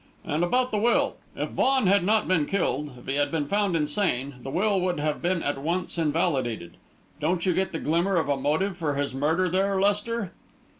And about the will. If Vaughan had not been killed, if he had been found insane, the will would have been at once invalidated. Don't you get the glimmer of a motive for his murder there, Lester?"